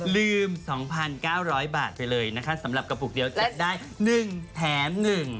ลืม๒๙๐๐บาทไปเลยนะคะสำหรับกระปุกเดียวเก็บได้๑แถม๑